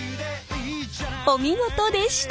お見事でした！